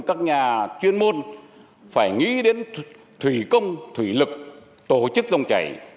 các nhà chuyên môn phải nghĩ đến thủy công thủy lực tổ chức dòng chảy